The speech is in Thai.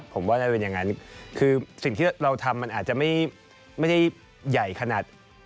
ผมว่าน่าจะเป็นอย่างนั้นคือสิ่งที่เราทำมันอาจจะไม่ได้ใหญ่ขนาด